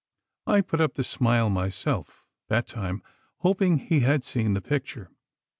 I put up the smile myself, that time, hoping he had seen the picture.